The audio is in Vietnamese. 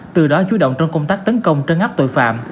từ đó chú động trong công tác tấn công trân áp tội phạm